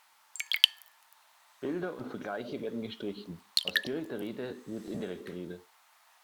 Bilder und Vergleiche werden gestrichen, aus direkter Rede wird indirekte Rede.